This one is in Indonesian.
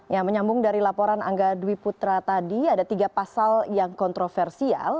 ya menyambung dari laporan angga dwi putra tadi ada tiga pasal yang kontroversial